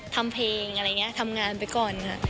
ทำเพลงอะไรอย่างนี้ทำงานไปก่อนค่ะ